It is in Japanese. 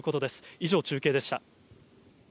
以上、中継でした。